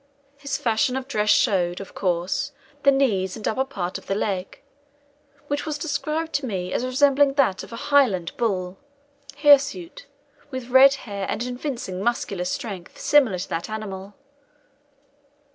His fashion of dress showed, of course, the knees and upper part of the leg, which was described to me, as resembling that of a Highland bull, hirsute, with red hair, and evincing muscular strength similar to that animal.